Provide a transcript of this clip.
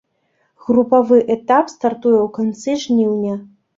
Групавы этап стартуе ў канцы жніўня.